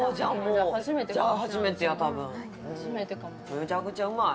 めちゃくちゃうまい。